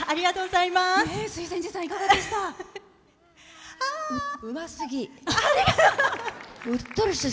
水前寺さん、いかがでした？